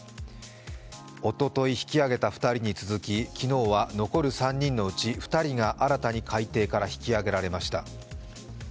おととい引き揚げた２人に続き、昨日は残る３人のうち２人が新たに海底から引き揚げられました。